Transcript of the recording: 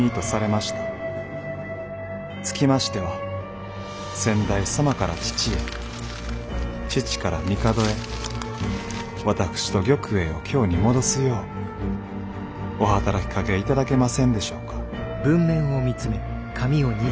つきましては先代様から父へ父から帝へ私と玉栄を京に戻すようお働きかけ頂けませんでしょうか」。